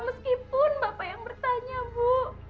meskipun bapak yang bertanya bu